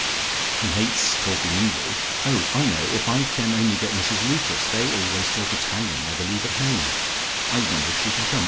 He hates talking English.... Oh, I know, if I can only get Mrs Lucas. They always talk Italian, I believe, at home. I wonder if she can come.